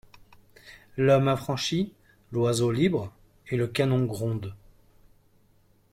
L'homme affranchi, l'oiseau libre.» Et le canon gronde.